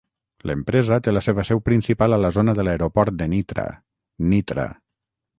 L'empresa té la seva seu principal a la zona del aeroport de Nitra, Nitra.